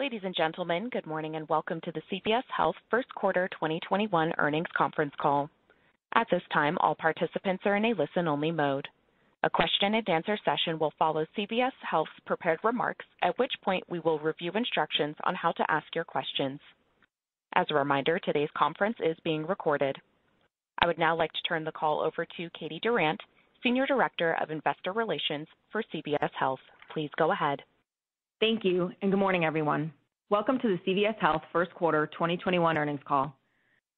Ladies and gentlemen, good morning, and welcome to the CVS Health first quarter 2021 earnings conference call. At this time, all participants are in a listen-only mode. A question and answer session will follow CVS Health's prepared remarks, at which point we will review instructions on how to ask your questions. As a reminder, today's conference is being recorded. I would now like to turn the call over to Katie Durant, Senior Director of Investor Relations for CVS Health. Please go ahead. Thank you, and good morning, everyone. Welcome to the CVS Health first quarter 2021 earnings call.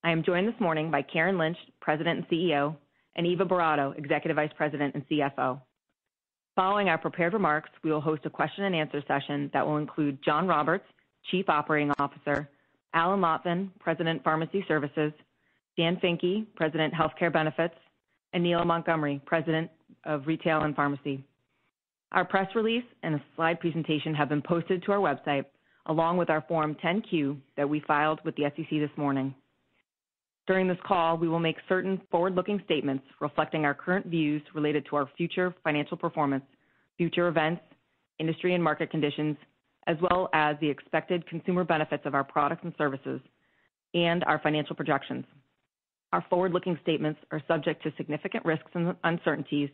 I am joined this morning by Karen Lynch, President and CEO, and Eva Boratto, Executive Vice President and CFO. Following our prepared remarks, we will host a question-and-answer session that will include Jon Roberts, Chief Operating Officer, Alan Lotvin, President, Pharmacy Services, Dan Finke, President, Health Care Benefits, and Neela Montgomery, President of Retail and Pharmacy. Our press release and a slide presentation have been posted to our website, along with our Form 10-Q that we filed with the SEC this morning. During this call, we will make certain forward-looking statements reflecting our current views related to our future financial performance, future events, industry and market conditions, as well as the expected consumer benefits of our products and services and our financial projections. Our forward-looking statements are subject to significant risks and uncertainties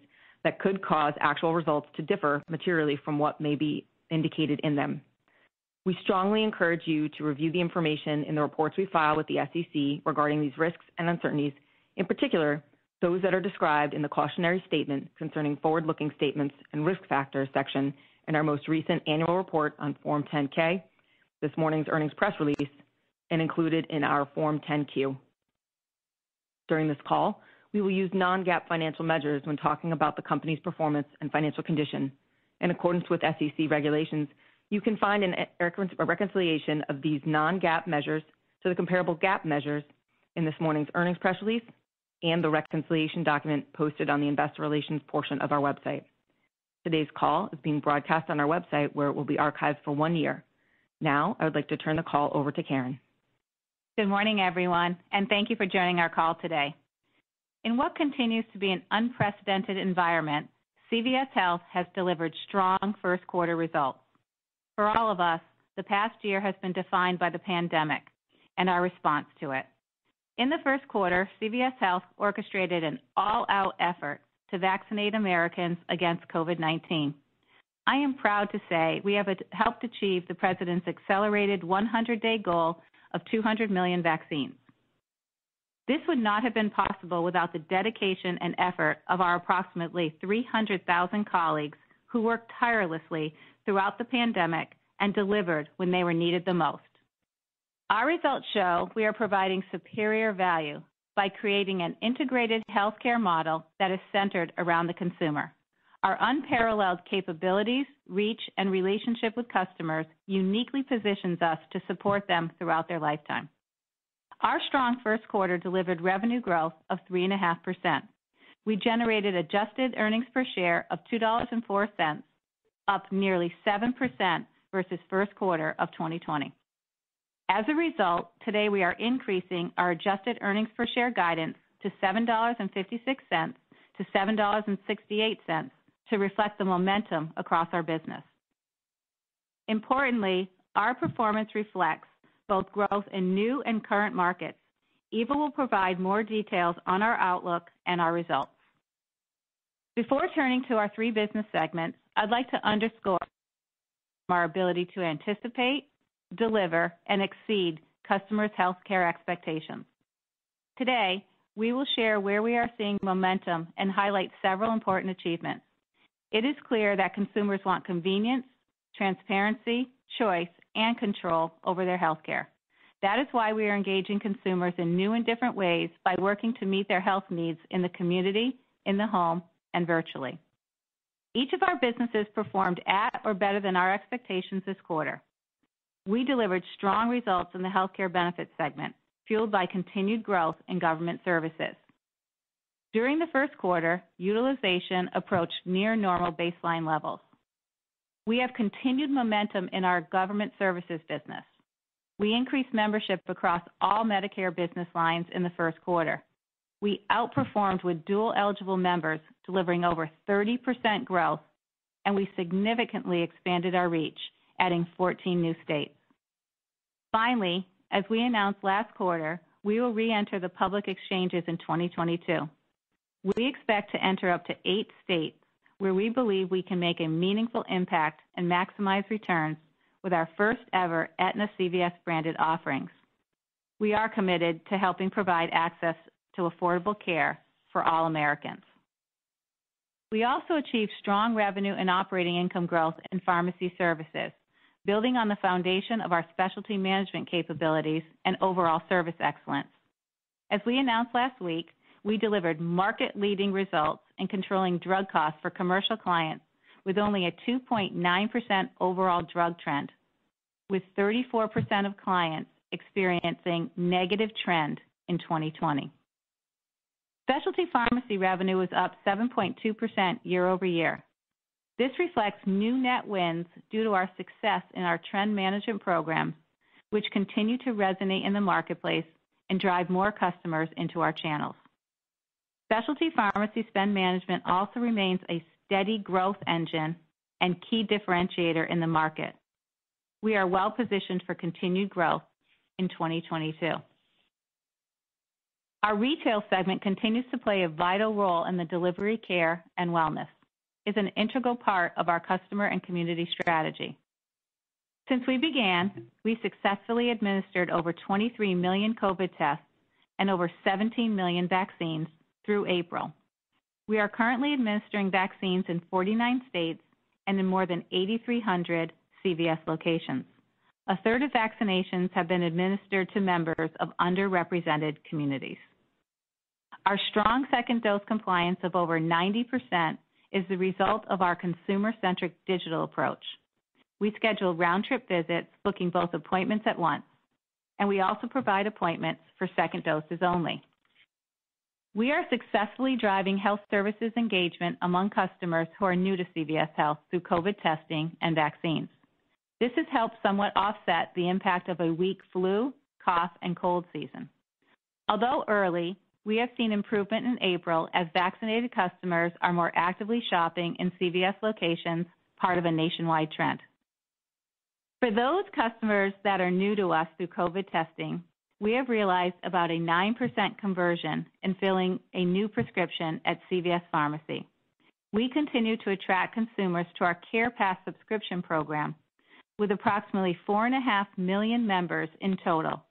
that could cause actual results to differ materially from what may be indicated in them. We strongly encourage you to review the information in the reports we file with the SEC regarding these risks and uncertainties, in particular, those that are described in the Cautionary Statement Concerning Forward-Looking Statements and Risk Factors section in our most recent annual report on Form 10-K, this morning's earnings press release, and included in our Form 10-Q. During this call, we will use non-GAAP financial measures when talking about the company's performance and financial condition. In accordance with SEC regulations, you can find a reconciliation of these non-GAAP measures to the comparable GAAP measures in this morning's earnings press release and the reconciliation document posted on the investor relations portion of our website. Today's call is being broadcast on our website, where it will be archived for one year. Now, I would like to turn the call over to Karen. Good morning, everyone. Thank you for joining our call today. In what continues to be an unprecedented environment, CVS Health has delivered strong first quarter results. For all of us, the past year has been defined by the pandemic and our response to it. In the first quarter, CVS Health orchestrated an all-out effort to vaccinate Americans against COVID-19. I am proud to say we have helped achieve the president's accelerated 100-day goal of 200 million vaccines. This would not have been possible without the dedication and effort of our approximately 300,000 colleagues who worked tirelessly throughout the pandemic and delivered when they were needed the most. Our results show we are providing superior value by creating an integrated healthcare model that is centered around the consumer. Our unparalleled capabilities, reach, and relationship with customers uniquely positions us to support them throughout their lifetime. Our strong first quarter delivered revenue growth of 3.5%. We generated adjusted earnings per share of $2.04, up nearly 7% versus first quarter of 2020. Today we are increasing our adjusted earnings per share guidance to $7.56-$7.68 to reflect the momentum across our business. Importantly, our performance reflects both growth in new and current markets. Eva will provide more details on our outlook and our results. Before turning to our three business segments, I'd like to underscore our ability to anticipate, deliver, and exceed customers' healthcare expectations. Today, we will share where we are seeing momentum and highlight several important achievements. It is clear that consumers want convenience, transparency, choice, and control over their healthcare. That is why we are engaging consumers in new and different ways by working to meet their health needs in the community, in the home, and virtually. Each of our businesses performed at or better than our expectations this quarter. We delivered strong results in the Health Care Benefits segment, fueled by continued growth in government services. During the first quarter, utilization approached near normal baseline levels. We have continued momentum in our government services business. We increased membership across all Medicare business lines in the first quarter. We outperformed with dual-eligible members, delivering over 30% growth, and we significantly expanded our reach, adding 14 new states. Finally, as we announced last quarter, we will reenter the public exchanges in 2022. We expect to enter up to eight states where we believe we can make a meaningful impact and maximize returns with our first-ever Aetna CVS Health branded offerings. We are committed to helping provide access to affordable care for all Americans. We also achieved strong revenue and operating income growth in pharmacy services, building on the foundation of our specialty management capabilities and overall service excellence. As we announced last week, we delivered market-leading results in controlling drug costs for commercial clients with only a 2.9% overall drug trend, with 34% of clients experiencing negative trend in 2020. Specialty pharmacy revenue was up 7.2% year-over-year. This reflects new net wins due to our success in our trend management program, which continue to resonate in the marketplace and drive more customers into our channels. Specialty pharmacy spend management also remains a steady growth engine and key differentiator in the market. We are well-positioned for continued growth in 2022. Our retail segment continues to play a vital role in the delivery care and wellness, is an integral part of our customer and community strategy. Since we began, we successfully administered over 23 million COVID tests and over 17 million vaccines through April. We are currently administering vaccines in 49 states and in more than 8,300 CVS locations. A third of vaccinations have been administered to members of underrepresented communities. Our strong second dose compliance of over 90% is the result of our consumer-centric digital approach. We schedule round-trip visits, booking both appointments at once, and we also provide appointments for second doses only. We are successfully driving health services engagement among customers who are new to CVS Health through COVID testing and vaccines. This has helped somewhat offset the impact of a weak flu, cough, and cold season. Although early, we have seen improvement in April as vaccinated customers are more actively shopping in CVS locations, part of a nationwide trend. For those customers that are new to us through COVID-19 testing, we have realized about a 9% conversion in filling a new prescription at CVS Pharmacy. We continue to attract consumers to our CarePass subscription program with approximately 4.5 million members in total,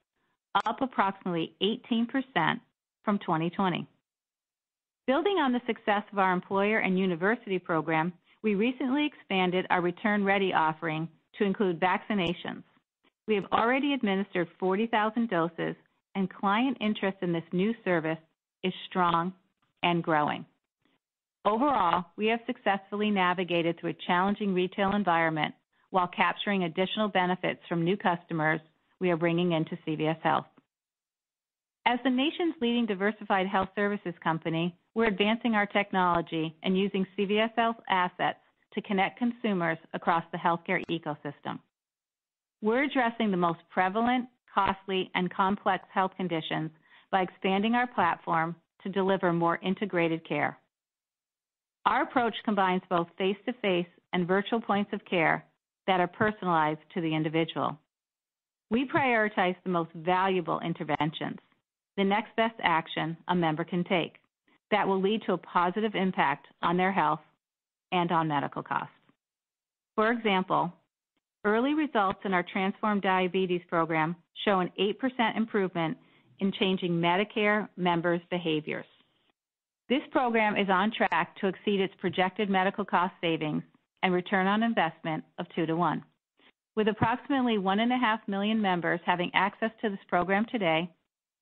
up approximately 18% from 2020. Building on the success of our employer and university program, we recently expanded our Return Ready offering to include vaccinations. We have already administered 40,000 doses. Client interest in this new service is strong and growing. Overall, we have successfully navigated through a challenging retail environment while capturing additional benefits from new customers we are bringing into CVS Health. As the nation's leading diversified health services company, we're advancing our technology and using CVS Health assets to connect consumers across the healthcare ecosystem. We're addressing the most prevalent, costly, and complex health conditions by expanding our platform to deliver more integrated care. Our approach combines both face-to-face and virtual points of care that are personalized to the individual. We prioritize the most valuable interventions, the Next Best Action a member can take that will lead to a positive impact on their health and on medical costs. For example, early results in our Transform Diabetes program show an 8% improvement in changing Medicare members' behaviors. This program is on track to exceed its projected medical cost savings and return on investment of 2:1. With approximately 1.5 million members having access to this program today,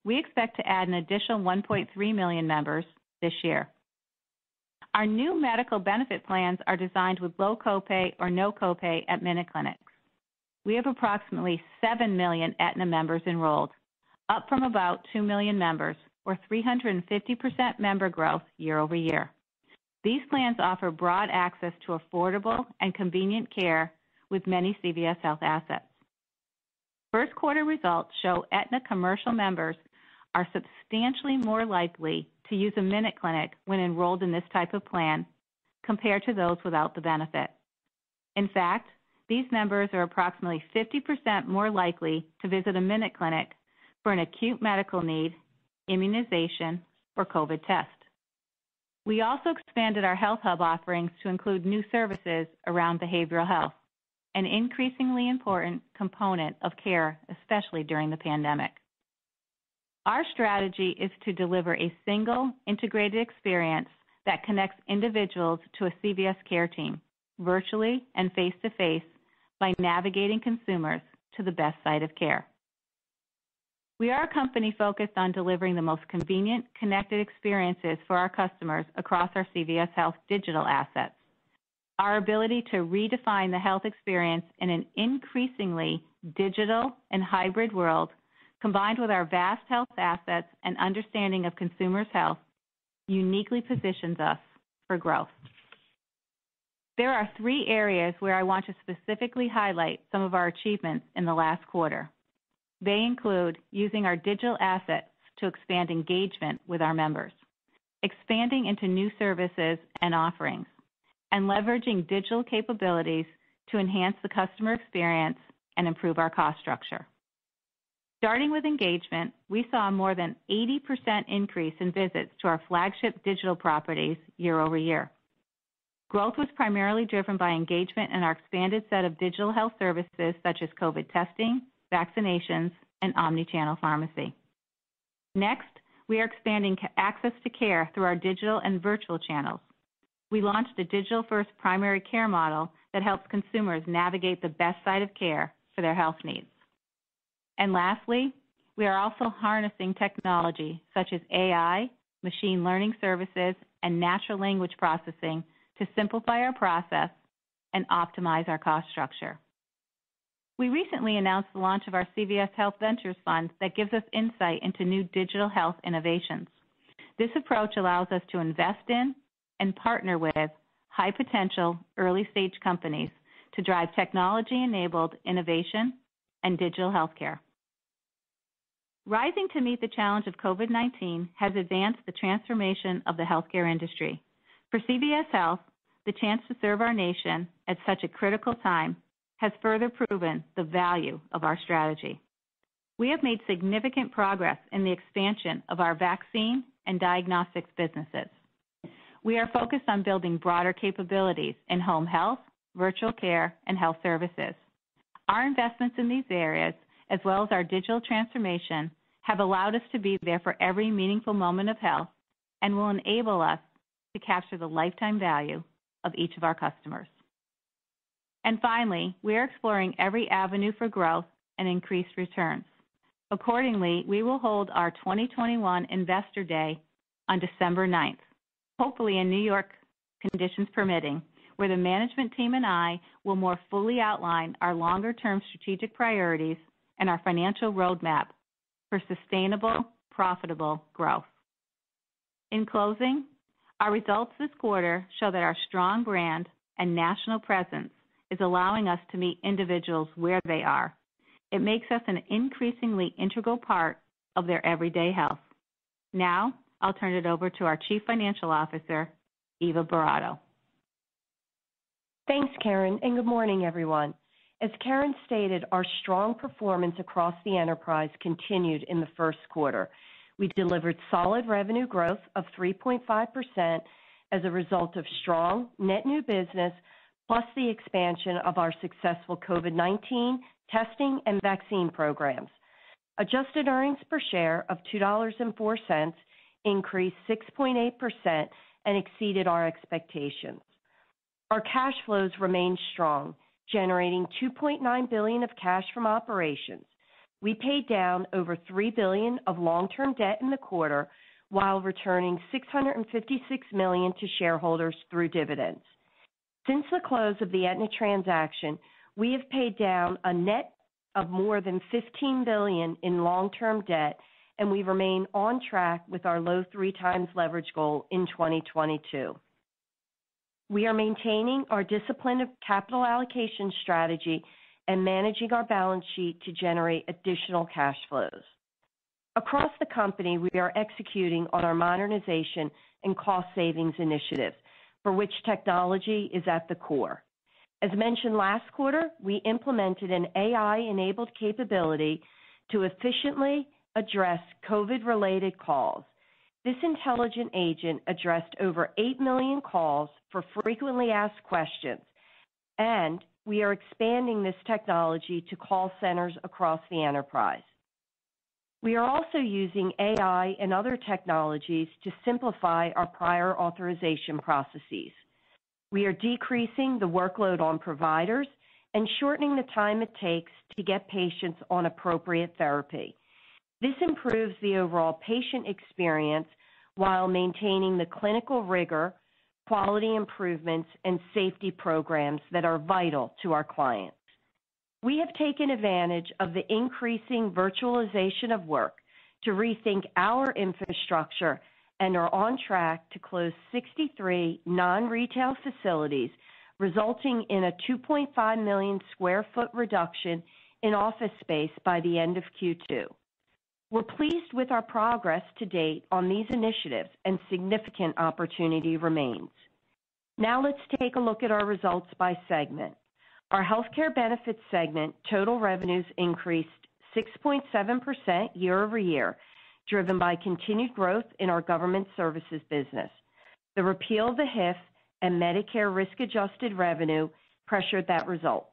we expect to add an additional 1.3 million members this year. Our new medical benefit plans are designed with low copay or no copay at MinuteClinics. We have approximately seven million Aetna members enrolled, up from about two million members or 350% member growth year-over-year. These plans offer broad access to affordable and convenient care with many CVS Health assets. First quarter results show Aetna commercial members are substantially more likely to use a MinuteClinic when enrolled in this type of plan compared to those without the benefit. In fact, these members are approximately 50% more likely to visit a MinuteClinic for an acute medical need, immunization, or COVID test. We also expanded our HealthHUB offerings to include new services around behavioral health, an increasingly important component of care, especially during the pandemic. Our strategy is to deliver a single, integrated experience that connects individuals to a CVS care team, virtually and face-to-face, by navigating consumers to the best site of care. We are a company focused on delivering the most convenient, connected experiences for our customers across our CVS Health digital assets. Our ability to redefine the health experience in an increasingly digital and hybrid world, combined with our vast health assets and understanding of consumers' health, uniquely positions us for growth. There are three areas where I want to specifically highlight some of our achievements in the last quarter. They include using our digital assets to expand engagement with our members, expanding into new services and offerings, and leveraging digital capabilities to enhance the customer experience and improve our cost structure. Starting with engagement, we saw more than 80% increase in visits to our flagship digital properties year-over-year. Growth was primarily driven by engagement in our expanded set of digital health services such as COVID-19 testing, vaccinations, and omni-channel pharmacy. Next, we are expanding access to care through our digital and virtual channels. We launched a digital-first primary care model that helps consumers navigate the best site of care for their health needs. Lastly, we are also harnessing technology such as AI, machine learning services, and natural language processing to simplify our process and optimize our cost structure. We recently announced the launch of our CVS Health Ventures fund that gives us insight into new digital health innovations. This approach allows us to invest in and partner with high-potential, early-stage companies to drive technology-enabled innovation and digital healthcare. Rising to meet the challenge of COVID-19 has advanced the transformation of the healthcare industry. For CVS Health, the chance to serve our nation at such a critical time has further proven the value of our strategy. We have made significant progress in the expansion of our vaccine and diagnostics businesses. We are focused on building broader capabilities in home health, virtual care, and health services. Our investments in these areas, as well as our digital transformation, have allowed us to be there for every meaningful moment of health and will enable us to capture the lifetime value of each of our customers. Finally, we are exploring every avenue for growth and increased returns. Accordingly, we will hold our 2021 Investor Day on December 9th, hopefully in New York, conditions permitting, where the management team and I will more fully outline our longer-term strategic priorities and our financial roadmap for sustainable, profitable growth. In closing, our results this quarter show that our strong brand and national presence is allowing us to meet individuals where they are. It makes us an increasingly integral part of their everyday health. Now, I'll turn it over to our Chief Financial Officer, Eva Boratto. Thanks, Karen, and good morning, everyone. As Karen stated, our strong performance across the enterprise continued in the first quarter. We delivered solid revenue growth of 3.5% as a result of strong net new business, plus the expansion of our successful COVID-19 testing and vaccine programs. Adjusted earnings per share of $2.04 increased 6.8% and exceeded our expectations. Our cash flows remained strong, generating $2.9 billion of cash from operations. We paid down over $3 billion of long-term debt in the quarter while returning $656 million to shareholders through dividends. Since the close of the Aetna transaction, we have paid down a net of more than $15 billion in long-term debt, and we remain on track with our low 3x leverage goal in 2022. We are maintaining our discipline of capital allocation strategy and managing our balance sheet to generate additional cash flows. Across the company, we are executing on our modernization and cost savings initiatives, for which technology is at the core. As mentioned last quarter, we implemented an AI-enabled capability to efficiently address COVID-related calls. This intelligent agent addressed over eight million calls for frequently asked questions, and we are expanding this technology to call centers across the enterprise. We are also using AI and other technologies to simplify our prior authorization processes. We are decreasing the workload on providers and shortening the time it takes to get patients on appropriate therapy. This improves the overall patient experience while maintaining the clinical rigor, quality improvements, and safety programs that are vital to our clients. We have taken advantage of the increasing virtualization of work to rethink our infrastructure and are on track to close 63 non-retail facilities, resulting in a 2.5 million square foot reduction in office space by the end of Q2. We're pleased with our progress to date on these initiatives and significant opportunity remains. Now let's take a look at our results by segment. Our Health Care Benefits segment total revenues increased 6.7% year-over-year, driven by continued growth in our government services business. The repeal of the HIF and Medicare risk-adjusted revenue pressured that result.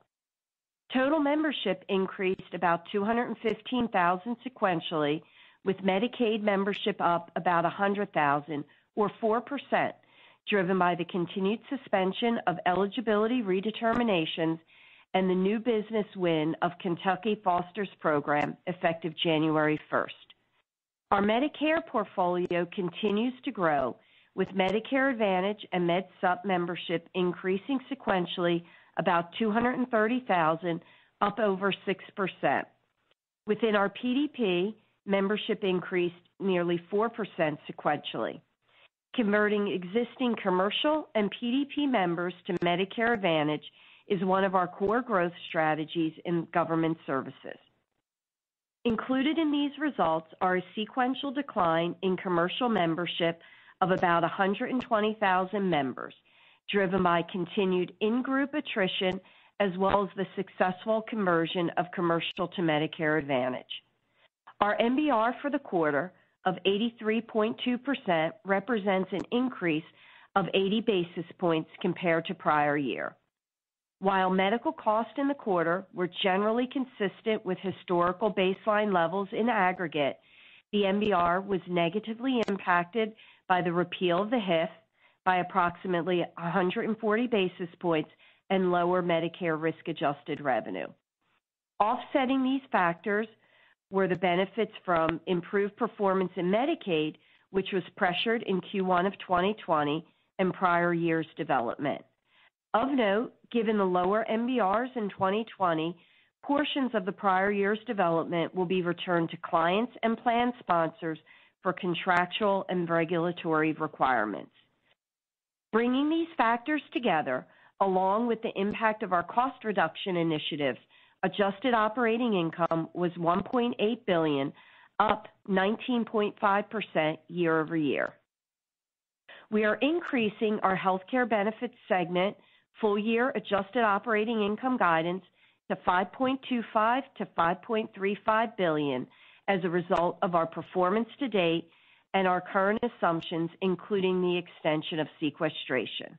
Total membership increased about 215,000 sequentially, with Medicaid membership up about 100,000 or 4%, driven by the continued suspension of eligibility redeterminations and the new business win of Kentucky Foster Care program effective January 1st. Our Medicare portfolio continues to grow, with Medicare Advantage and MedSup membership increasing sequentially about 230,000, up over 6%. Within our PDP, membership increased nearly 4% sequentially. Converting existing commercial and PDP members to Medicare Advantage is one of our core growth strategies in government services. Included in these results are a sequential decline in commercial membership of about 120,000 members, driven by continued in-group attrition as well as the successful conversion of commercial to Medicare Advantage. Our MBR for the quarter of 83.2% represents an increase of 80 basis points compared to prior year. While medical costs in the quarter were generally consistent with historical baseline levels in aggregate, the MBR was negatively impacted by the repeal of the HIF by approximately 140 basis points and lower Medicare risk-adjusted revenue. Offsetting these factors were the benefits from improved performance in Medicaid, which was pressured in Q1 of 2020 and prior years' development. Of note, given the lower MBRs in 2020, portions of the prior year's development will be returned to clients and plan sponsors for contractual and regulatory requirements. Bringing these factors together, along with the impact of our cost reduction initiatives, adjusted operating income was $1.8 billion, up 19.5% year-over-year. We are increasing our Health Care Benefits segment full-year adjusted operating income guidance to $5.25 billion-$5.35 billion as a result of our performance to date and our current assumptions, including the extension of sequestration.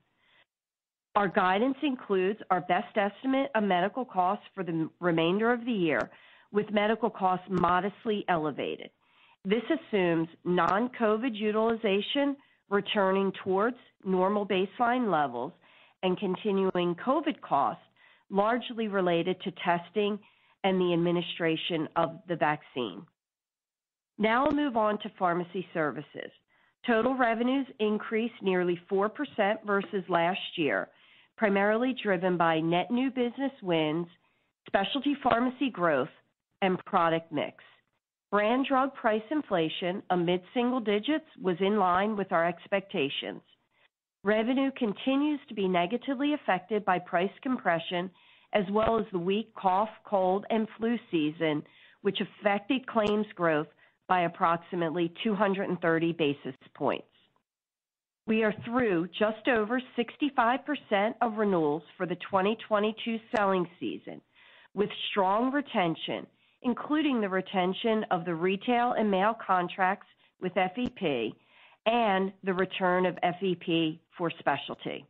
Our guidance includes our best estimate of medical costs for the remainder of the year, with medical costs modestly elevated. This assumes non-COVID utilization returning towards normal baseline levels and continuing COVID costs, largely related to testing and the administration of the vaccine. I'll move on to Pharmacy Services. Total revenues increased nearly 4% versus last year, primarily driven by net new business wins, specialty pharmacy growth, and product mix. Brand drug price inflation, a mid-single digits, was in line with our expectations. Revenue continues to be negatively affected by price compression, as well as the weak cough, cold, and flu season, which affected claims growth by approximately 230 basis points. We are through just over 65% of renewals for the 2022 selling season, with strong retention, including the retention of the retail and mail contracts with FEP and the return of FEP for specialty.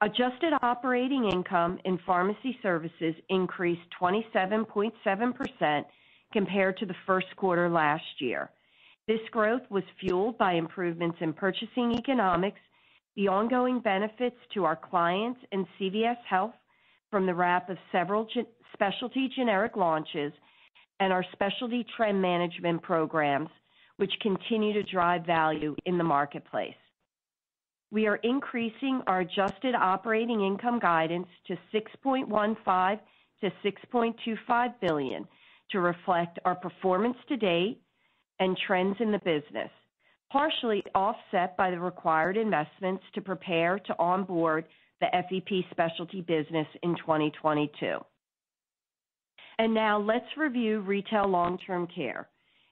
Adjusted operating income in pharmacy services increased 27.7% compared to the first quarter last year. This growth was fueled by improvements in purchasing economics, the ongoing benefits to our clients and CVS Health from the wrap of several specialty generic launches, and our specialty trend management programs, which continue to drive value in the marketplace. We are increasing our adjusted operating income guidance to $6.15 billion-$6.25 billion to reflect our performance to date and trends in the business, partially offset by the required investments to prepare to onboard the FEP specialty business in 2022. Now let's review retail long-term care.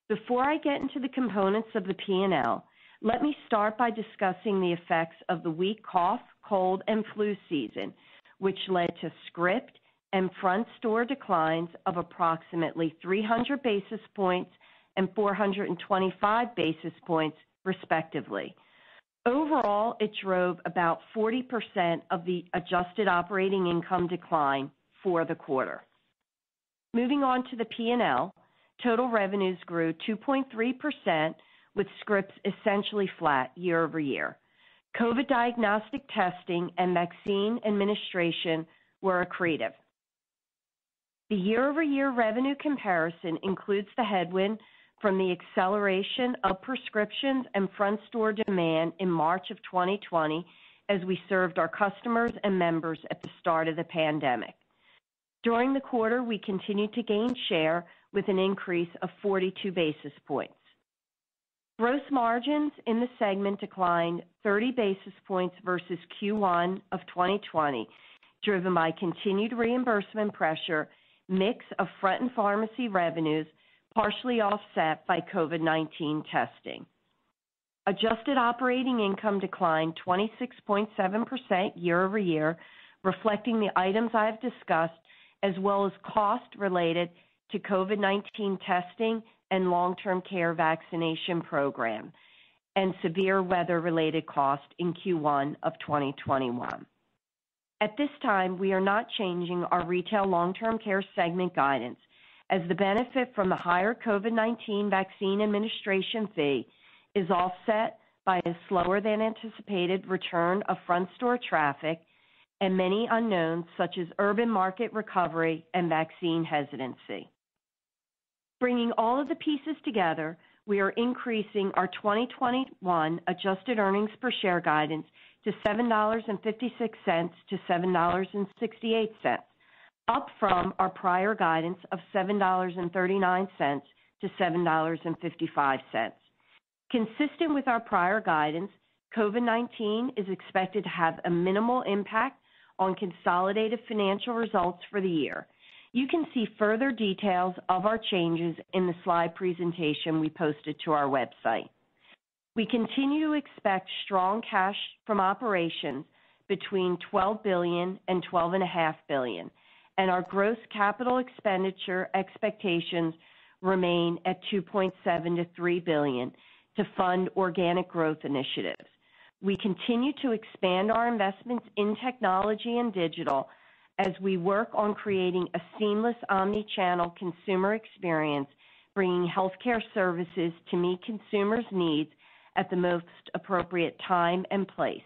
Before I get into the components of the P&L, let me start by discussing the effects of the weak cough, cold, and flu season, which led to script and front store declines of approximately 300 basis points and 425 basis points respectively. Overall, it drove about 40% of the adjusted operating income decline for the quarter. Moving on to the P&L, total revenues grew 2.3% with scripts essentially flat year-over-year. COVID diagnostic testing and vaccine administration were accretive. The year-over-year revenue comparison includes the headwind from the acceleration of prescriptions and front store demand in March of 2020, as we served our customers and members at the start of the pandemic. During the quarter, we continued to gain share with an increase of 42 basis points. Gross margins in the segment declined 30 basis points versus Q1 of 2020, driven by continued reimbursement pressure, mix of front and pharmacy revenues, partially offset by COVID-19 testing. Adjusted operating income declined 26.7% year-over-year, reflecting the items I have discussed, as well as costs related to COVID-19 testing and long-term care vaccination program and severe weather-related costs in Q1 of 2021. At this time, we are not changing our retail long-term care segment guidance, as the benefit from the higher COVID-19 vaccine administration fee is offset by a slower-than-anticipated return of front store traffic and many unknowns such as urban market recovery and vaccine hesitancy. Bringing all of the pieces together, we are increasing our 2021 adjusted earnings per share guidance to $7.56-$7.68, up from our prior guidance of $7.39-$7.55. Consistent with our prior guidance, COVID-19 is expected to have a minimal impact on consolidated financial results for the year. You can see further details of our changes in the slide presentation we posted to our website. We continue to expect strong cash from operations between $12 billion and $12.5 billion, and our gross capital expenditure expectations remain at $2.7 billion-$3 billion to fund organic growth initiatives. We continue to expand our investments in technology and digital as we work on creating a seamless omni-channel consumer experience, bringing healthcare services to meet consumers' needs at the most appropriate time and place.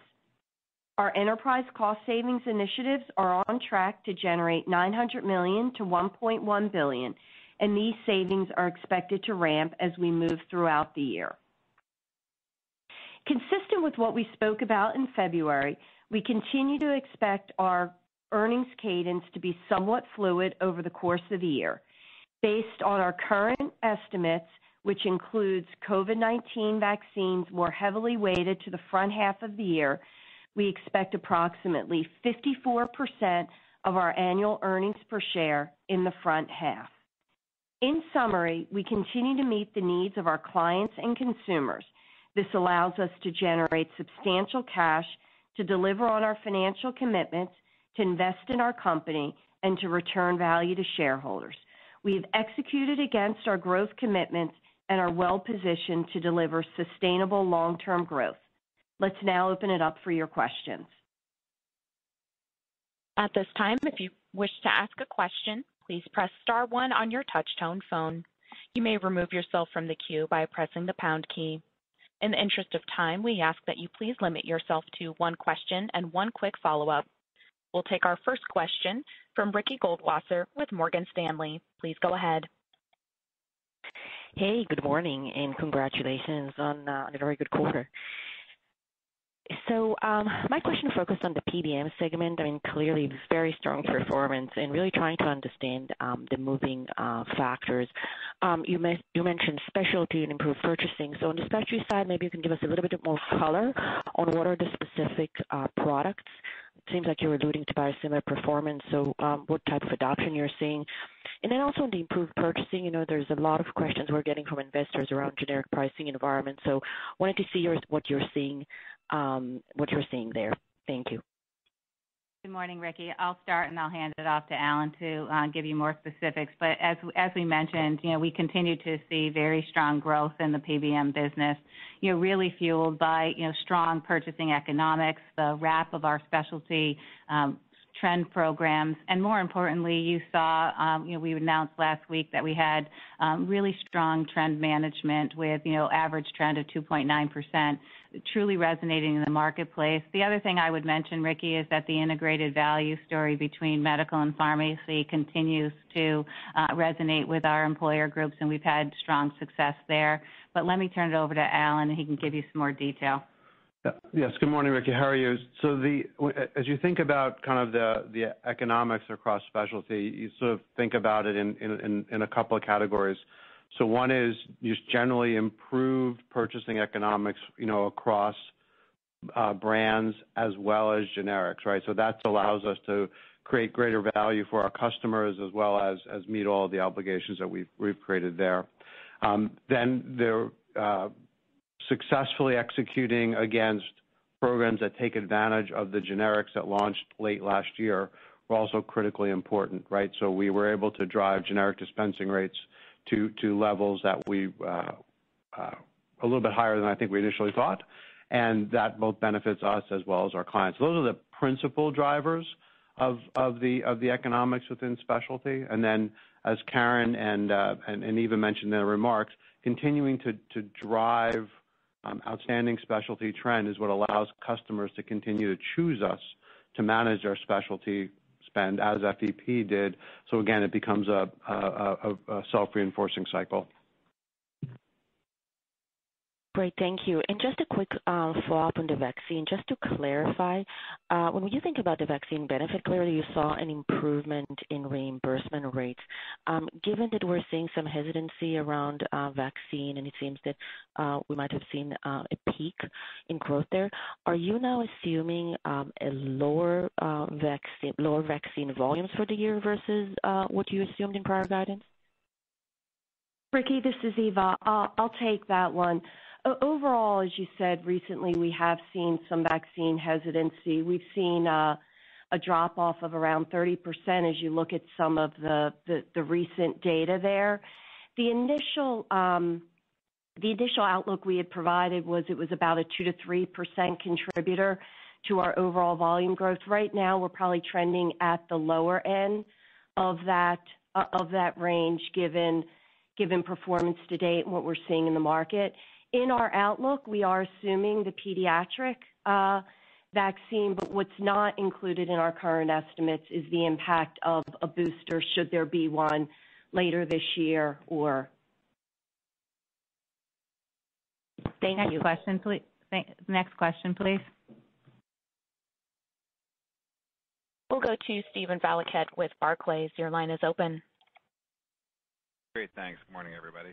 Our enterprise cost savings initiatives are on track to generate $900 million-$1.1 billion, and these savings are expected to ramp as we move throughout the year. Consistent with what we spoke about in February, we continue to expect our earnings cadence to be somewhat fluid over the course of the year. Based on our current estimates, which includes COVID-19 vaccines more heavily weighted to the front half of the year, we expect approximately 54% of our annual earnings per share in the front half. In summary, we continue to meet the needs of our clients and consumers. This allows us to generate substantial cash to deliver on our financial commitments, to invest in our company, and to return value to shareholders. We've executed against our growth commitments and are well-positioned to deliver sustainable long-term growth. Let's now open it up for your questions. At this time, if you wish to ask a question, please press star one on your touch-tone phone. You may remove yourself from the queue by pressing the pound key. In the interest of time, we ask that you please limit yourself to one question and one quick follow-up. We'll take our first question from Ricky Goldwasser with Morgan Stanley. Please go ahead. Hey, good morning. Congratulations on a very good quarter. My question focused on the PBM segment. Clearly, very strong performance and really trying to understand the moving factors. You mentioned specialty and improved purchasing. On the specialty side, maybe you can give us a little bit more color on what are the specific products. It seems like you're alluding to biosimilar performance, so what type of adoption you're seeing. Also on the improved purchasing, there's a lot of questions we're getting from investors around generic pricing environment. Wanted to see what you're seeing there. Thank you. Good morning, Ricky. I'll start, and I'll hand it off to Alan to give you more specifics. As we mentioned, we continue to see very strong growth in the PBM business, really fueled by strong purchasing economics, the wrap of our specialty trend programs, and more importantly, you saw, we announced last week that we had really strong trend management with average trend of 2.9%, truly resonating in the marketplace. The other thing I would mention, Ricky, is that the integrated value story between medical and pharmacy continues to resonate with our employer groups, and we've had strong success there. Let me turn it over to Alan, and he can give you some more detail. Yes. Good morning, Ricky. How are you? As you think about the economics across specialty, you think about it in a couple of categories. One is just generally improved purchasing economics across brands as well as generics. That allows us to create greater value for our customers as well as meet all the obligations that we've created there. They're successfully executing against programs that take advantage of the generics that launched late last year, were also critically important. We were able to drive generic dispensing rates to levels that a little bit higher than I think we initially thought, and that both benefits us as well as our clients. Those are the principal drivers of the economics within specialty. As Karen and Eva mentioned in their remarks, continuing to drive outstanding specialty trend is what allows customers to continue to choose us to manage their specialty spend, as FEP did. Again, it becomes a self-reinforcing cycle. Great. Thank you. Just a quick follow-up on the vaccine, just to clarify, when you think about the vaccine benefit, clearly you saw an improvement in reimbursement rates. Given that we're seeing some hesitancy around vaccine, and it seems that we might have seen a peak in growth there, are you now assuming lower vaccine volumes for the year versus what you assumed in prior guidance? Ricky, this is Eva. I'll take that one. Overall, as you said, recently, we have seen some vaccine hesitancy. We've seen a drop-off of around 30% as you look at some of the recent data there. The initial outlook we had provided was it was about a 2%-3% contributor to our overall volume growth. Right now, we're probably trending at the lower end of that range given performance to date and what we're seeing in the market. In our outlook, we are assuming the pediatric vaccine, but what's not included in our current estimates is the impact of a booster should there be one later this year. Thank you. Next question, please. We'll go to Steven Valiquette with Barclays. Your line is open. Great. Thanks. Good morning, everybody.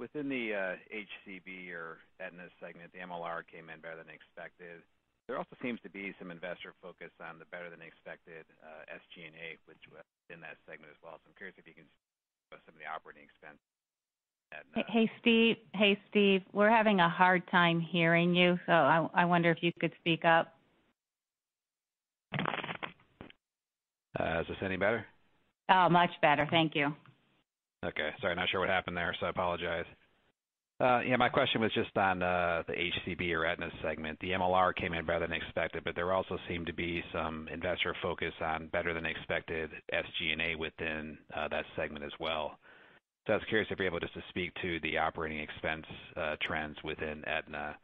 Within the HCB or Aetna segment, the MLR came in better than expected. There also seems to be some investor focus on the better than expected SG&A, which was in that segment as well. I'm curious if you can. Hey, Steve. We're having a hard time hearing you. I wonder if you could speak up. Is this any better? Oh, much better. Thank you. Okay. Sorry, not sure what happened there, so I apologize. My question was just on the HCB or Aetna segment. The MLR came in better than expected, but there also seemed to be some investor focus on better than expected SG&A within that segment as well. I was curious if you're able just to speak to the operating expense trends within Aetna.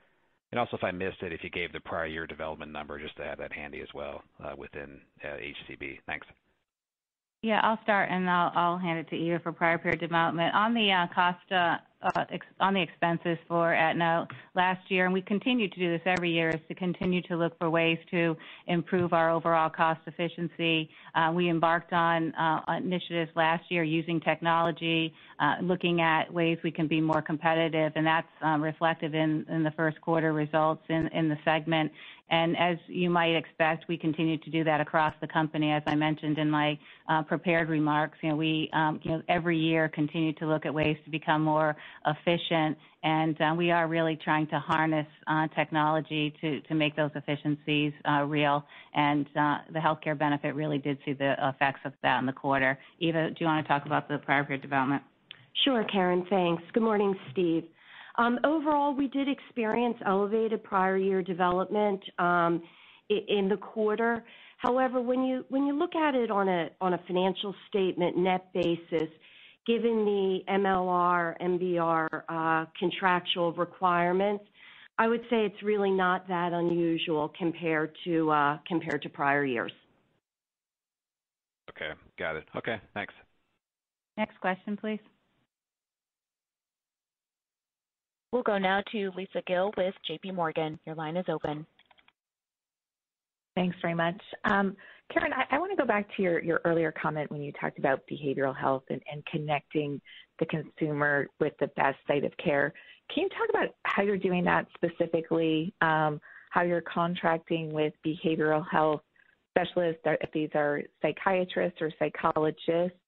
Also if I missed it, if you gave the prior year development number, just to have that handy as well within HCB. Thanks. I'll start, and I'll hand it to Eva for prior period development. On the expenses for Aetna last year, we continue to do this every year, is to continue to look for ways to improve our overall cost efficiency. We embarked on initiatives last year using technology, looking at ways we can be more competitive, and that's reflective in the first quarter results in the segment. As you might expect, we continue to do that across the company. As I mentioned in my prepared remarks, every year continue to look at ways to become more efficient, and we are really trying to harness technology to make those efficiencies real. The Health Care Benefits really did see the effects of that in the quarter. Eva, do you want to talk about the prior period development? Sure, Karen, thanks. Good morning, Steve. Overall, we did experience elevated prior year development in the quarter. When you look at it on a financial statement net basis, given the MLR, MBR contractual requirements, I would say it's really not that unusual compared to prior years. Okay, got it. Okay, thanks. Next question, please. We'll go now to Lisa Gill with JPMorgan. Your line is open. Thanks very much. Karen, I want to go back to your earlier comment when you talked about behavioral health and connecting the consumer with the best site of care. Can you talk about how you're doing that specifically, how you're contracting with behavioral health specialists, if these are psychiatrists or psychologists,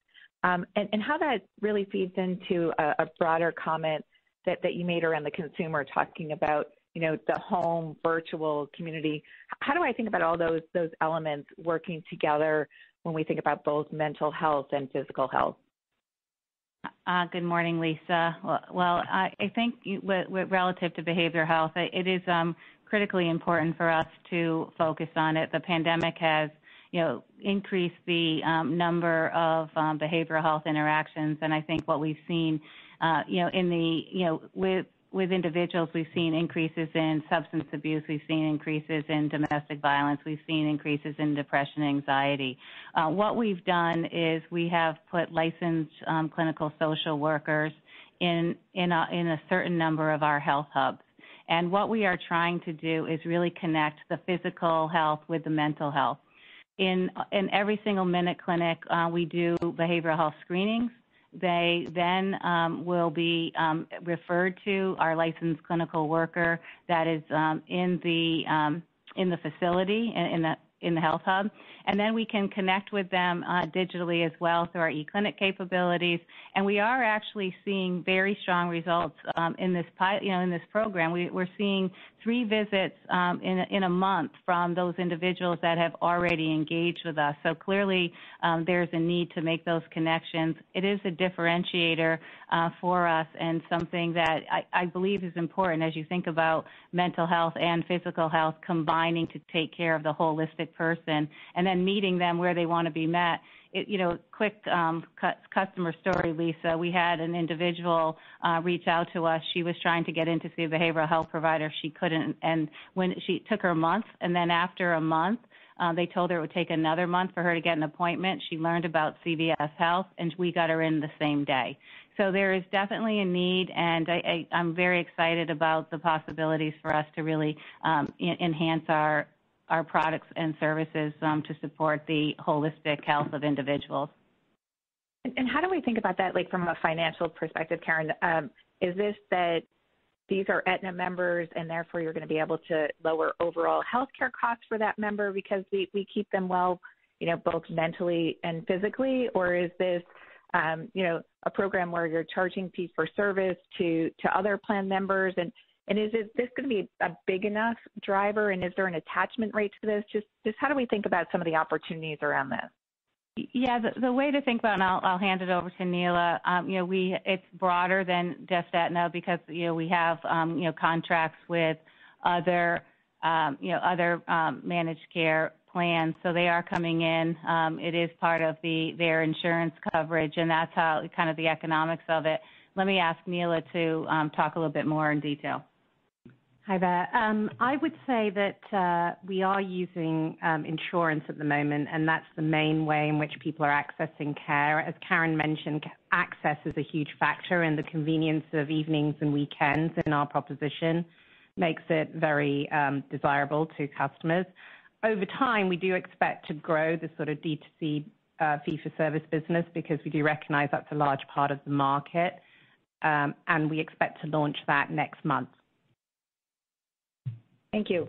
and how that really feeds into a broader comment that you made around the consumer talking about the home virtual community. How do I think about all those elements working together when we think about both mental health and physical health? Good morning, Lisa. Well, I think with relative to behavioral health, it is critically important for us to focus on it. The pandemic has increased the number of behavioral health interactions, and I think what we've seen with individuals, we've seen increases in substance abuse, we've seen increases in domestic violence, we've seen increases in depression, anxiety. What we've done is we have put licensed clinical social workers in a certain number of our HealthHUBs. What we are trying to do is really connect the physical health with the mental health. In every single MinuteClinic, we do behavioral health screenings. They will be referred to our licensed clinical worker that is in the facility, in the HealthHUB. We can connect with them digitally as well through our E-Clinic capabilities. We are actually seeing very strong results in this program. We're seeing three visits in a month from those individuals that have already engaged with us. Clearly, there's a need to make those connections. It is a differentiator for us and something that I believe is important as you think about mental health and physical health combining to take care of the holistic person and then meeting them where they want to be met. Quick customer story, Lisa Gill. We had an individual reach out to us. She was trying to get in to see a behavioral health provider. She couldn't. It took her a month, and then after a month, they told her it would take another month for her to get an appointment. She learned about CVS Health, and we got her in the same day. There is definitely a need, and I'm very excited about the possibilities for us to really enhance our products and services to support the holistic health of individuals. How do we think about that from a financial perspective, Karen? Is this that these are Aetna members, and therefore you're going to be able to lower overall healthcare costs for that member because we keep them well both mentally and physically? Is this a program where you're charging fee for service to other plan members? Is this going to be a big enough driver, and is there an attachment rate to those? Just how do we think about some of the opportunities around this? Yeah, the way to think about it, and I'll hand it over to Neela. It's broader than just Aetna because we have contracts with other managed care plans. They are coming in. It is part of their insurance coverage, and that's kind of the economics of it. Let me ask Neela to talk a little bit more in detail. Hi there. I would say that we are using insurance at the moment, and that's the main way in which people are accessing care. As Karen mentioned, access is a huge factor, and the convenience of evenings and weekends in our proposition makes it very desirable to customers. Over time, we do expect to grow the sort of D2C fee for service business because we do recognize that's a large part of the market, and we expect to launch that next month. Thank you.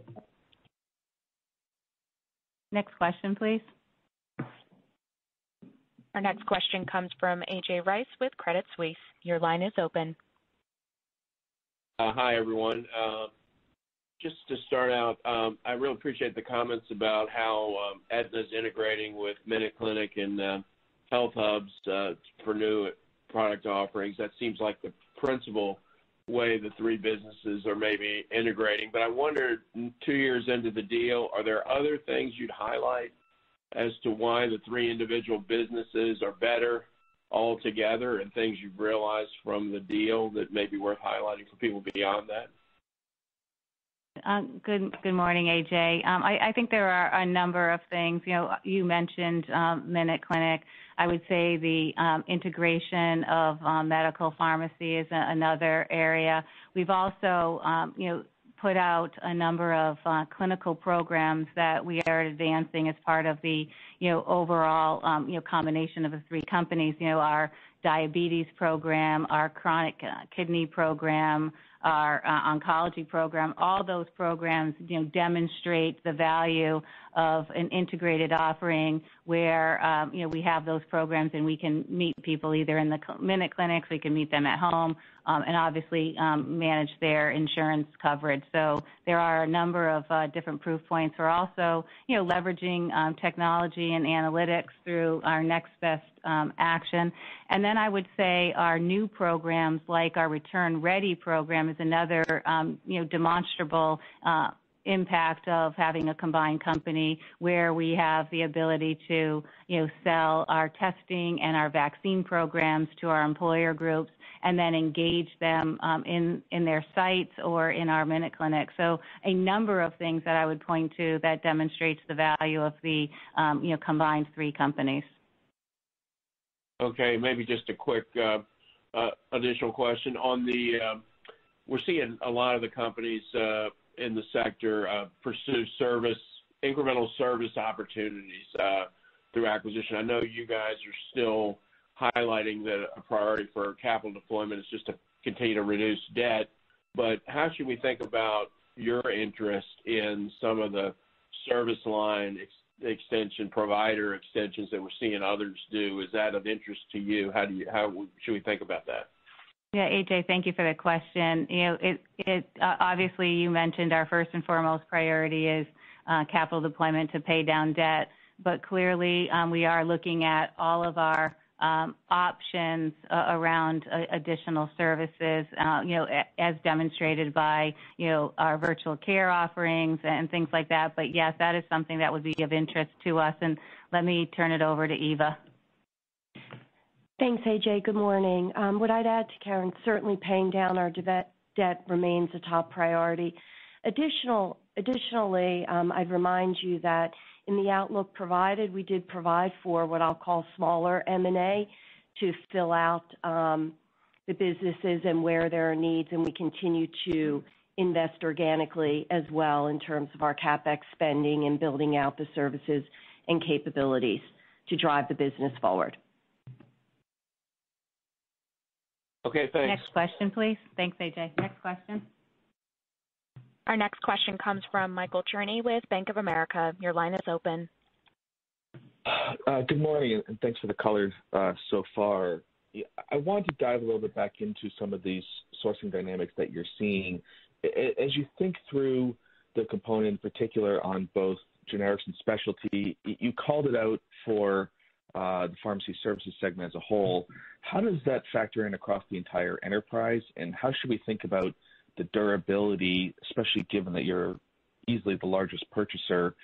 Next question, please. Our next question comes from A.J. Rice with Credit Suisse. Your line is open. Hi, everyone. Just to start out, I really appreciate the comments about how Aetna's integrating with MinuteClinic and HealthHUBs for new product offerings. That seems like the principal way the three businesses are maybe integrating. I wondered, two years into the deal, are there other things you'd highlight as to why the three individual businesses are better all together and things you've realized from the deal that may be worth highlighting for people beyond that? Good morning, A.J. I think there are a number of things. You mentioned MinuteClinic. I would say the integration of medical pharmacy is another area. We've also put out a number of clinical programs that we are advancing as part of the overall combination of the three companies. Our diabetes program, our chronic kidney program, our oncology program, all those programs demonstrate the value of an integrated offering where we have those programs, and we can meet people either in the MinuteClinics, we can meet them at home, and obviously, manage their insurance coverage. There are a number of different proof points. We're also leveraging technology and analytics through our Next Best Action. I would say our new programs, like our Return Ready program, is another demonstrable impact of having a combined company where we have the ability to sell our testing and our vaccine programs to our employer groups, and then engage them in their sites or in our MinuteClinic. A number of things that I would point to that demonstrates the value of the combined three companies. Okay, maybe just a quick additional question. We're seeing a lot of the companies in the sector pursue incremental service opportunities through acquisition. I know you guys are still highlighting that a priority for capital deployment is just to continue to reduce debt, but how should we think about your interest in some of the service line extension provider extensions that we're seeing others do? Is that of interest to you? How should we think about that? Yeah, A.J., thank you for that question. Obviously, you mentioned our first and foremost priority is capital deployment to pay down debt. Clearly, we are looking at all of our options around additional services, as demonstrated by our virtual care offerings and things like that. Yes, that is something that would be of interest to us, and let me turn it over to Eva. Thanks, A.J. Good morning. What I'd add to Karen, certainly paying down our debt remains a top priority. Additionally, I'd remind you that in the outlook provided, we did provide for what I'll call smaller M&A to fill out the businesses and where there are needs, and we continue to invest organically as well in terms of our CapEx spending and building out the services and capabilities to drive the business forward. Okay, thanks. Next question, please. Thanks, A.J.. Next question. Our next question comes from Michael Cherny with Bank of America. Your line is open. Good morning, and thanks for the color so far. I wanted to dive a little bit back into some of these sourcing dynamics that you're seeing. As you think through the component, in particular on both generics and specialty, you called it out for the Pharmacy Services segment as a whole. How does that factor in across the entire enterprise, and how should we think about the durability, especially given that you're easily the largest purchaser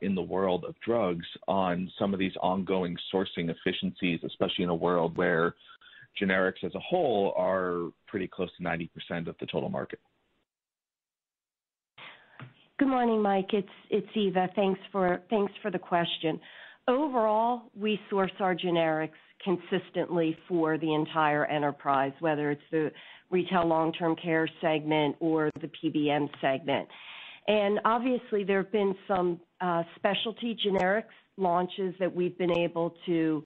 in the world of drugs on some of these ongoing sourcing efficiencies, especially in a world where generics as a whole are pretty close to 90% of the total market? Good morning, Michael Cherny. It's Eva Boratto. Thanks for the question. Overall, we source our generics consistently for the entire enterprise, whether it's the retail long-term care segment or the PBM segment. Obviously, there have been some specialty generics launches that we've been able to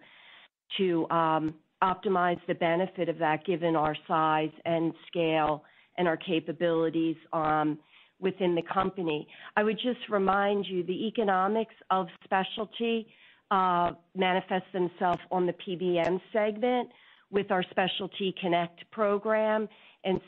optimize the benefit of that given our size and scale and our capabilities within the company. I would just remind you, the economics of specialty manifests themselves on the PBM segment with our Specialty Connect program,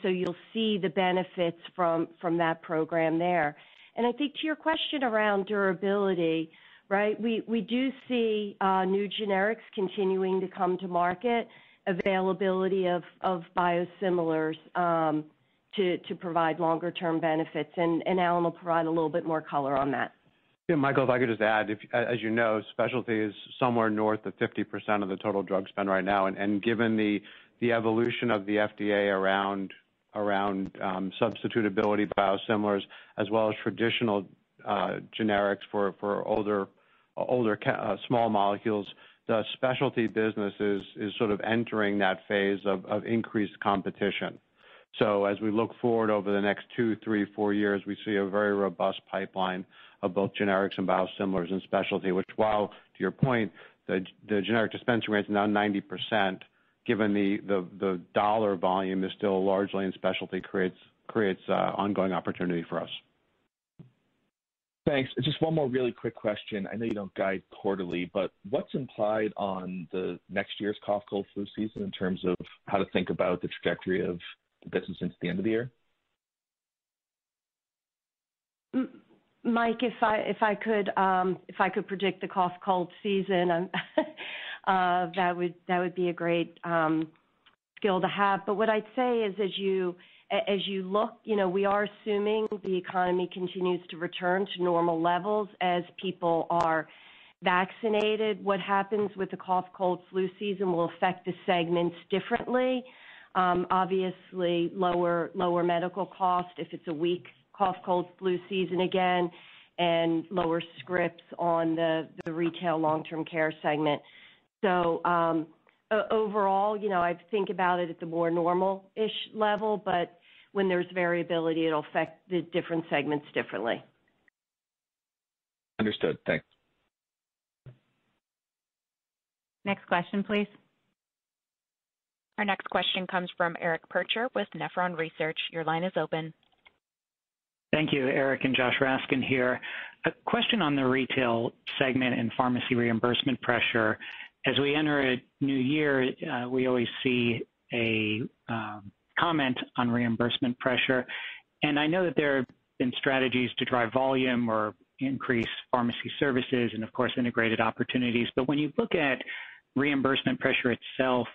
so you'll see the benefits from that program there. I think to your question around durability, right? We do see new generics continuing to come to market, availability of biosimilars to provide longer-term benefits, Alan will provide a little bit more color on that. Yeah, Michael, if I could just add, as you know, specialty is somewhere north of 50% of the total drug spend right now, and given the evolution of the FDA around substitutability biosimilars, as well as traditional generics for older small molecules, the specialty business is sort of entering that phase of increased competition. As we look forward over the next two, three, four years, we see a very robust pipeline of both generics and biosimilars and specialty, which while, to your point, the generic dispense rate is now 90%, given the dollar volume is still largely in specialty creates ongoing opportunity for us. Thanks. Just one more really quick question. I know you don't guide quarterly, but what's implied on the next year's cough, cold, flu season in terms of how to think about the trajectory of the business into the end of the year? Michael, if I could predict the cough, cold season that would be a great skill to have. What I'd say is, as you look, we are assuming the economy continues to return to normal levels as people are vaccinated, what happens with the cough, cold, flu season will affect the segments differently. Obviously, lower medical cost if it's a weak cough, cold, flu season again, and lower scripts on the retail long-term care segment. Overall, I think about it at the more normal-ish level, but when there's variability, it'll affect the different segments differently. Understood. Thanks. Next question, please. Our next question comes from Eric Percher with Nephron Research. Your line is open. Thank you. Eric and Josh Raskin here. A question on the retail segment and pharmacy reimbursement pressure. As we enter a new year, we always see a comment on reimbursement pressure. I know that there have been strategies to drive volume or increase pharmacy services and, of course, integrated opportunities. When you look at reimbursement pressure itself,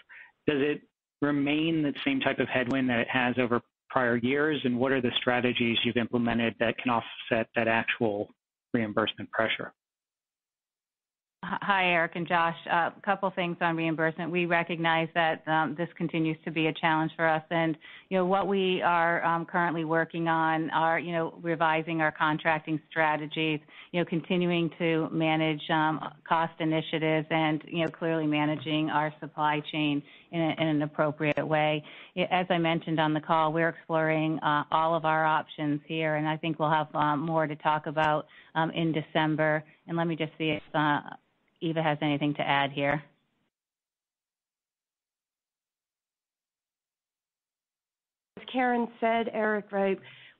does it remain the same type of headwind that it has over prior years? What are the strategies you've implemented that can offset that actual reimbursement pressure? Hi, Eric and Josh. A couple things on reimbursement. We recognize that this continues to be a challenge for us. What we are currently working on are revising our contracting strategies, continuing to manage cost initiatives, and clearly managing our supply chain in an appropriate way. As I mentioned on the call, we're exploring all of our options here, and I think we'll have more to talk about in December. Let me just see if Eva has anything to add here. As Karen said, Eric,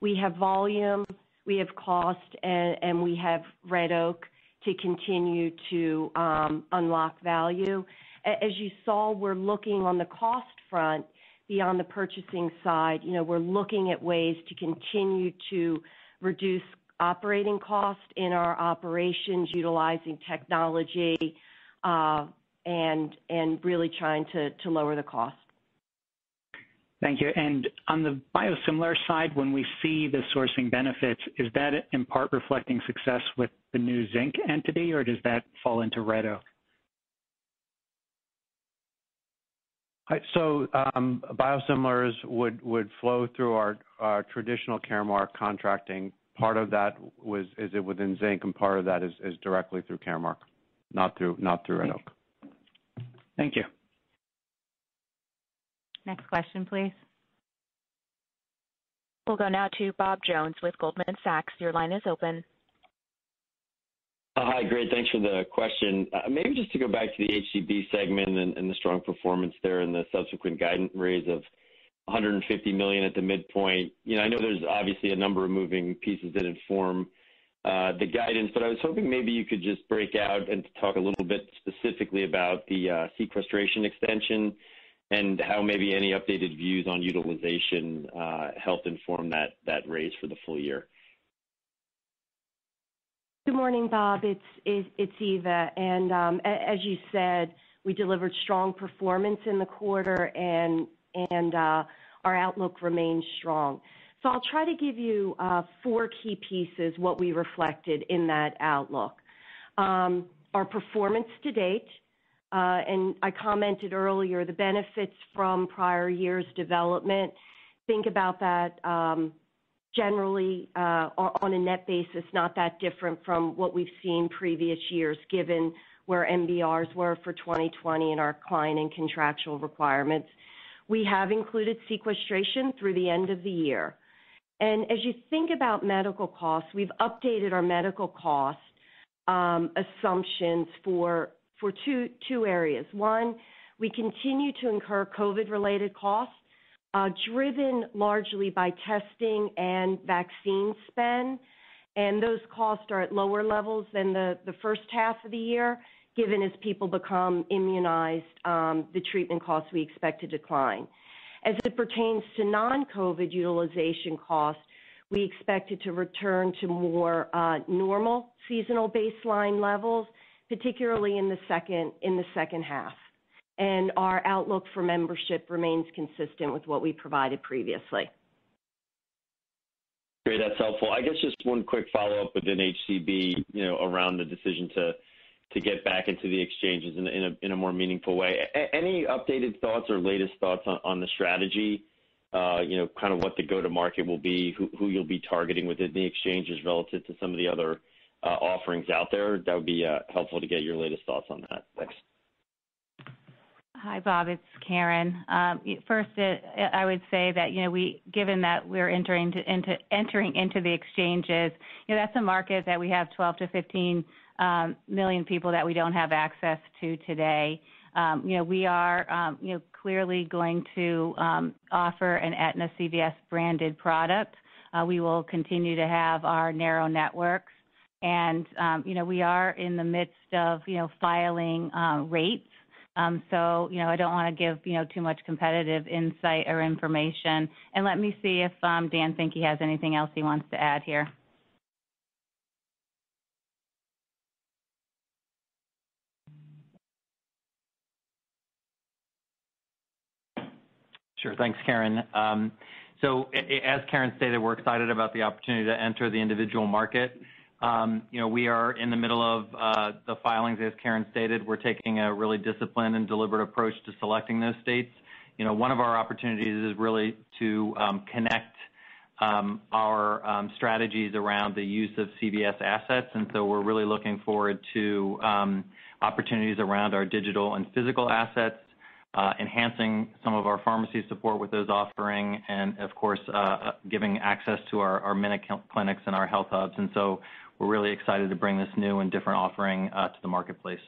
we have volume, we have cost, and we have Red Oak to continue to unlock value. As you saw, we're looking on the cost front, beyond the purchasing side. We're looking at ways to continue to reduce operating costs in our operations, utilizing technology, and really trying to lower the cost. Thank you. On the biosimilar side, when we see the sourcing benefits, is that in part reflecting success with the new Zinc entity, or does that fall into Red Oak? Biosimilars would flow through our traditional Caremark contracting. Part of that is within Zinc, and part of that is directly through Caremark, not through Red Oak. Thank you. Next question, please. We'll go now to Bob Jones with Goldman Sachs. Your line is open. Hi, great. Thanks for the question. Maybe just to go back to the HCB segment and the strong performance there and the subsequent guidance raise of $150 million at the midpoint. I know there's obviously a number of moving pieces that inform the guidance. I was hoping maybe you could just break out and talk a little bit specifically about the sequestration extension and how maybe any updated views on utilization helped inform that raise for the full year. Good morning, Bob. It's Eva. As you said, we delivered strong performance in the quarter, and our outlook remains strong. I'll try to give you four key pieces, what we reflected in that outlook. Our performance to date, and I commented earlier, the benefits from prior years' development. Think about that generally, on a net basis, not that different from what we've seen previous years, given where MBRs were for 2020 and our client and contractual requirements. We have included sequestration through the end of the year. As you think about medical costs, we've updated our medical cost assumptions for two areas. One, we continue to incur COVID-related costs, driven largely by testing and vaccine spend. Those costs are at lower levels than the first half of the year. Given, as people become immunized, the treatment costs we expect to decline. As it pertains to non-COVID utilization costs, we expect it to return to more normal seasonal baseline levels, particularly in the second half. Our outlook for membership remains consistent with what we provided previously. Great. That's helpful. I guess just one quick follow-up within HCB, around the decision to get back into the Exchanges in a more meaningful way. Any updated thoughts or latest thoughts on the strategy? Kind of what the go-to-market will be, who you'll be targeting within the Exchanges relative to some of the other offerings out there? That would be helpful to get your latest thoughts on that. Thanks. Hi, Bob. It's Karen. First, I would say that given that we're entering into the exchanges, that's a market that we have 12 million-15 million people that we don't have access to today. We are clearly going to offer an Aetna CVS branded product. We will continue to have our narrow networks, and we are in the midst of filing rates. I don't want to give too much competitive insight or information. Let me see if Dan Finke has anything else he wants to add here. Sure. Thanks, Karen. As Karen stated, we're excited about the opportunity to enter the individual market. We are in the middle of the filings, as Karen stated. We're taking a really disciplined and deliberate approach to selecting those states. One of our opportunities is really to connect our strategies around the use of CVS assets, we're really looking forward to opportunities around our digital and physical assets, enhancing some of our pharmacy support with those offering, and of course, giving access to our MinuteClinics and our HealthHUBs. We're really excited to bring this new and different offering to the marketplace.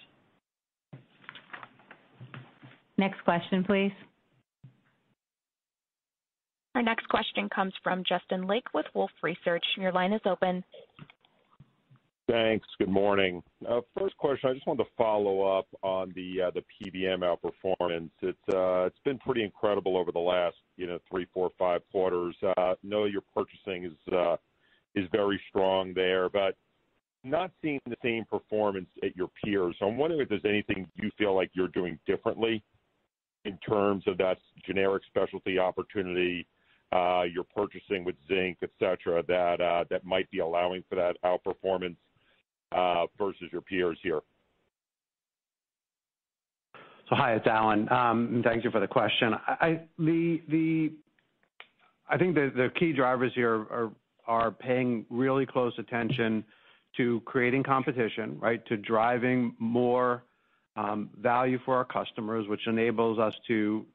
Next question, please. Our next question comes from Justin Lake with Wolfe Research. Your line is open. Thanks. Good morning. First question, I just wanted to follow up on the PBM outperformance. It's been pretty incredible over the last three, four, five quarters. I know your purchasing is very strong there. Not seeing the same performance at your peers. I'm wondering if there's anything you feel like you're doing differently in terms of that generic specialty opportunity, your purchasing with Zinc, et cetera, that might be allowing for that outperformance versus your peers here. Hi, it's Alan. Thank you for the question. I think the key drivers here are paying really close attention to creating competition, right? To driving more value for our customers, which enables us to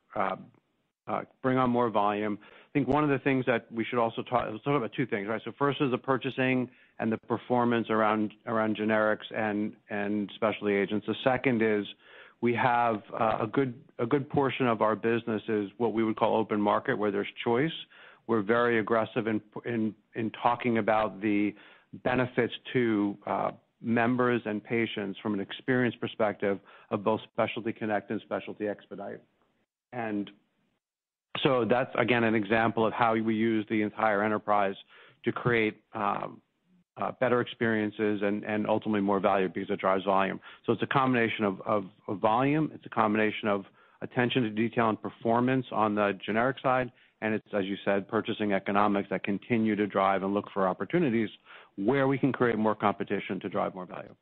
bring on more volume. I think one of the things that we should also talk Sort of two things, right? First is the purchasing and the performance around generics and specialty agents. The second is we have a good portion of our business is what we would call open market, where there's choice. We're very aggressive in talking about the benefits to members and patients from an experience perspective of both Specialty Connect and Specialty Expedite. That's, again, an example of how we use the entire enterprise to create better experiences and ultimately more value because it drives volume. It's a combination of volume, it's a combination of attention to detail and performance on the generic side, and it's, as you said, purchasing economics that continue to drive and look for opportunities where we can create more competition to drive more value.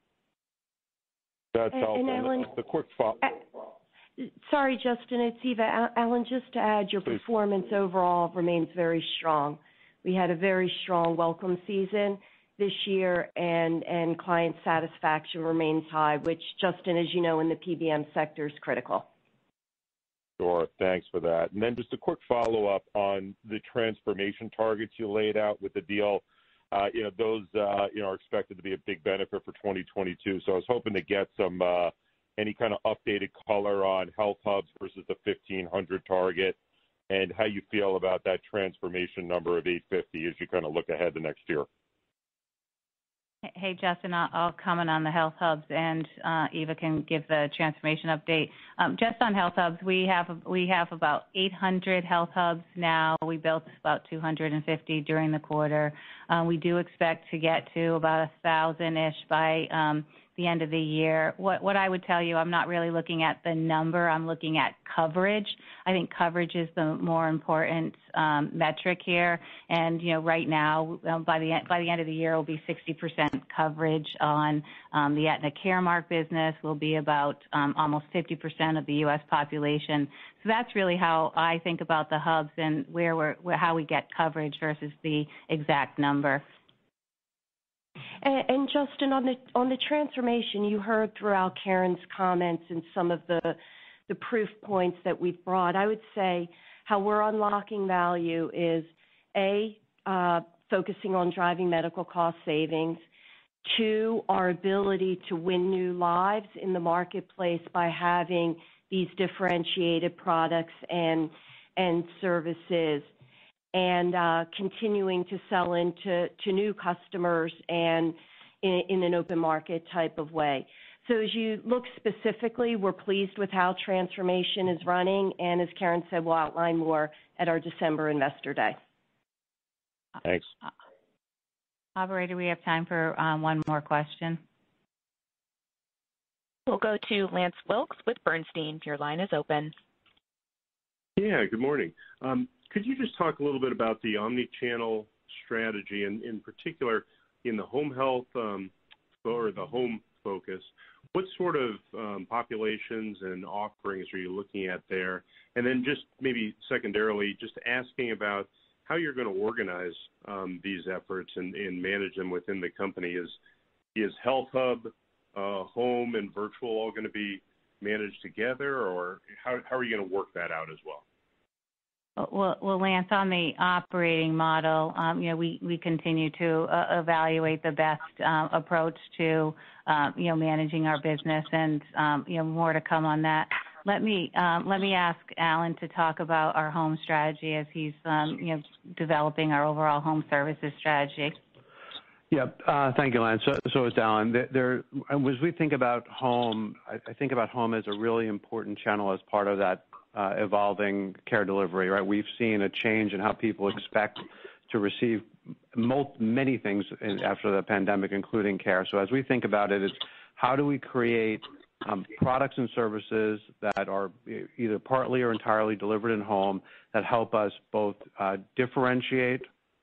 That's all. The quick follow-up. Sorry, Justin, it's Eva. Alan, just to add, your performance overall remains very strong. We had a very strong welcome season this year, and client satisfaction remains high, which Justin, as you know, in the PBM sector is critical. Sure. Thanks for that. Just a quick follow-up on the transformation targets you laid out with the deal. Those are expected to be a big benefit for 2022. I was hoping to get any kind of updated color on HealthHUBs versus the 1,500 target, and how you feel about that transformation number of 850 as you kind of look ahead the next year. Hey, Justin, I'll comment on the HealthHUBs, and Eva can give the transformation update. Just on HealthHUBs, we have about 800 HealthHUBs now. We built about 250 during the quarter. We do expect to get to about 1,000-ish by the end of the year. What I would tell you, I'm not really looking at the number, I'm looking at coverage. I think coverage is the more important metric here. Right now, by the end of the year, it'll be 60% coverage on the Aetna Caremark business. We'll be about almost 50% of the U.S. population. That's really how I think about the HealthHUBs and how we get coverage versus the exact number. Justin, on the transformation, you heard throughout Karen's comments and some of the proof points that we've brought, I would say how we're unlocking value is, A, focusing on driving medical cost savings. Two, our ability to win new lives in the marketplace by having these differentiated products and services, and continuing to sell into new customers and in an open market type of way. As you look specifically, we're pleased with how transformation is running, and as Karen said, we'll outline more at our December Investor Day. Thanks. Operator, we have time for one more question. We'll go to Lance Wilkes with Bernstein. Your line is open. Yeah, good morning. Could you just talk a little bit about the omni-channel strategy, and in particular in the home health or the home focus. What sort of populations and offerings are you looking at there? Just maybe secondarily, just asking about how you're going to organize these efforts and manage them within the company, is HealthHUB, home, and virtual all going to be managed together, or how are you going to work that out as well? Well, Lance, on the operating model, we continue to evaluate the best approach to managing our business. More to come on that. Let me ask Alan to talk about our home strategy as he's developing our overall home services strategy. Yep. Thank you, Lance. It's Alan. As we think about home, I think about home as a really important channel as part of that evolving care delivery, right? We've seen a change in how people expect to receive many things after the pandemic, including care. As we think about it's how do we create products and services that are either partly or entirely delivered in-home that help us both differentiate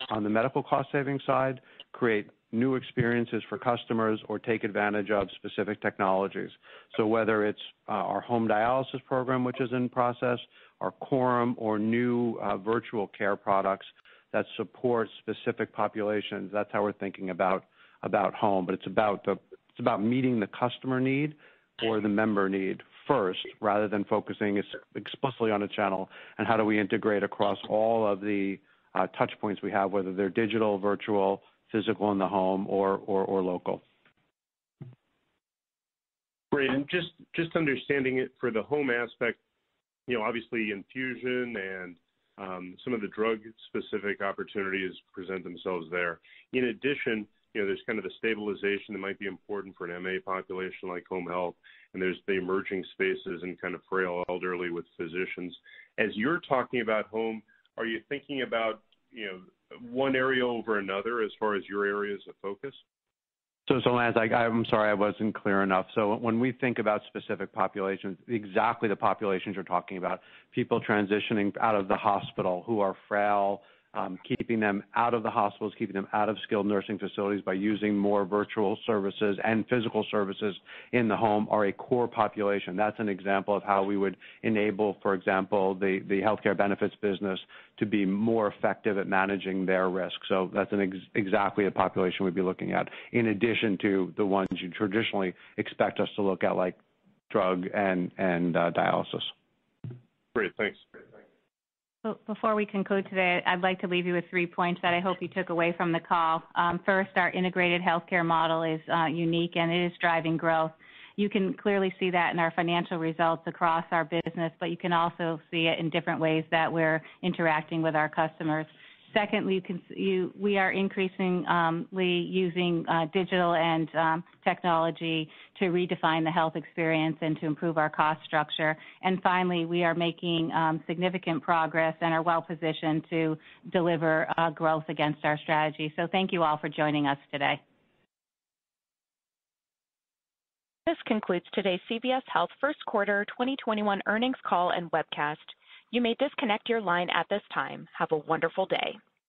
on the medical cost-saving side, create new experiences for customers, or take advantage of specific technologies? Whether it's our home dialysis program, which is in process, our Coram or new virtual care products that support specific populations, that's how we're thinking about home. It's about meeting the customer need or the member need first, rather than focusing explicitly on a channel and how do we integrate across all of the touch points we have, whether they're digital, virtual, physical in the home, or local. Great. Just understanding it for the home aspect, obviously infusion and some of the drug-specific opportunities present themselves there. In addition, there's kind of a stabilization that might be important for an MA population like home health, there's the emerging spaces in kind of frail elderly with physicians. As you're talking about home, are you thinking about one area over another as far as your areas of focus? I'm sorry I wasn't clear enough. When we think about specific populations, exactly the populations you're talking about, people transitioning out of the hospital who are frail, keeping them out of the hospitals, keeping them out of skilled nursing facilities by using more virtual services and physical services in the home are a core population. That's an example of how we would enable, for example, the Health Care Benefits business to be more effective at managing their risk. That's exactly the population we'd be looking at, in addition to the ones you traditionally expect us to look at, like drug and dialysis. Great. Thanks. Before we conclude today, I'd like to leave you with three points that I hope you took away from the call. First, our integrated healthcare model is unique, and it is driving growth. You can clearly see that in our financial results across our business, but you can also see it in different ways that we're interacting with our customers. Secondly, we are increasingly using digital and technology to redefine the health experience and to improve our cost structure. Finally, we are making significant progress and are well-positioned to deliver growth against our strategy. Thank you all for joining us today. This concludes today's CVS Health First Quarter 2021 Earnings Call and Webcast. You may disconnect your line at this time. Have a wonderful day.